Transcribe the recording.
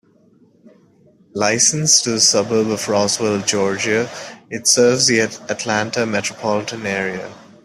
Licensed to the suburb of Roswell, Georgia, it serves the Atlanta metropolitan area.